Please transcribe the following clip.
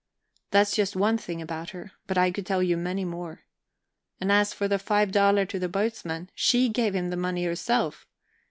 That's just one thing about her. But I could tell you many more. And as for the five daler to the boatman she gave him the money herself.